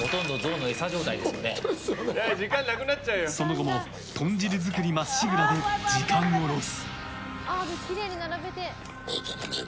その後も豚汁作りまっしぐらで時間をロス。